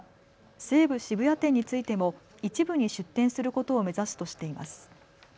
西武渋谷店についても一部に出店することを目指すとしています。